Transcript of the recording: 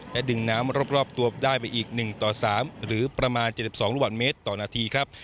ดึงน้ำรอบตัวได้ไปอีก๑ต่อ๓หรือประมาณ๗๒ลูกบาทเมตรต่อนาทีครับ